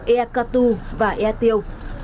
ea cà tu và ea tiêu